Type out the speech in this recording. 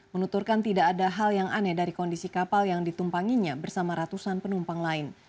menuturkan tidak ada hal yang aneh dari kondisi kapal yang ditumpanginya bersama ratusan penumpang lain